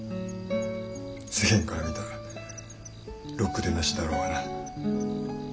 世間から見たらろくでなしだろうがな。